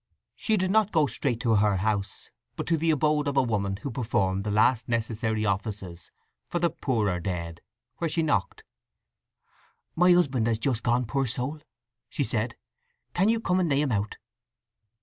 She did not go straight to her house; but to the abode of a woman who performed the last necessary offices for the poorer dead; where she knocked. "My husband has just gone, poor soul," she said. "Can you come and lay him out?"